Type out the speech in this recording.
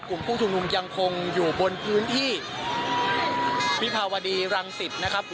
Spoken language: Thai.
กลุ่มผู้ชุมนุมยังคงอยู่บนพื้นที่วิภาวดีรังสิตนะครับ